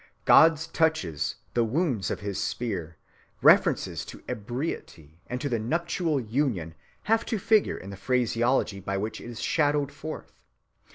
God's touches, the wounds of his spear, references to ebriety and to nuptial union have to figure in the phraseology by which it is shadowed forth.